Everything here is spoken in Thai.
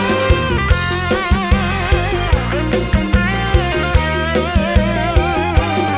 ไม่รู้ความไหนโดยไม่ต้องตอ